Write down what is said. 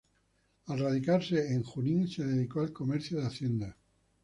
Al radicarse en Junín se dedicó al comercio de hacienda.